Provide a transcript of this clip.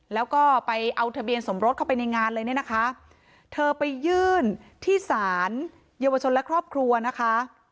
แล้วก็ไปเอาทะเบียนสมรสเข้าไปในงานเลยเนี่ยนะคะเธอไปยื่นที่ศาลเยาวชนและครอบครัวนะคะ